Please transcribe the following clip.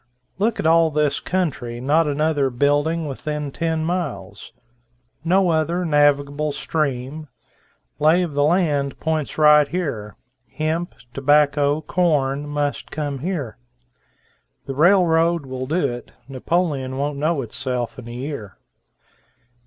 Look at all this country, not another building within ten miles, no other navigable stream, lay of the land points right here; hemp, tobacco, corn, must come here. The railroad will do it, Napoleon won't know itself in a year."